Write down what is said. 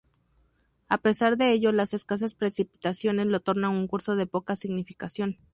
A pesar de ello, las escasas precipitaciones lo tornan un curso de poca significación.